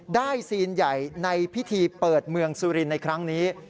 ซีนใหญ่ในพิธีเปิดเมืองสุรินทร์ในครั้งนี้